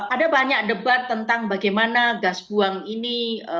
ada banyak debat tentang bagaimana gas buang ini